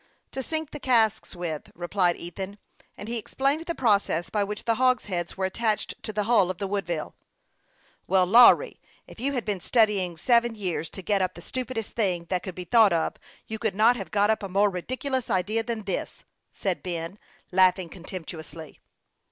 " To sink the casks with," replied Ethan ; and he explained the process by which the hogsheads were attached to the hull of the Woodville. " Well, Lawry, if you had been studying seven years to get up the stupidest thing that could be thought of, you could not have got up a more ridicu lous idea than this," said Ben, laughing contempt uously.